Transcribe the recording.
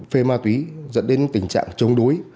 về ma túy dẫn đến tình trạng chống đối